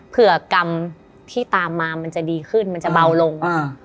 เผื่อกรรมที่ตามมามันจะดีขึ้นมันจะเบาลง